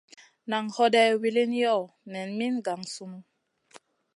Nan hoday wilin yoh? Nen min gang sunu.